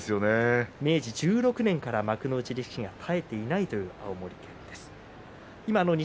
明治１６年から幕内力士が絶えていないという青森県です。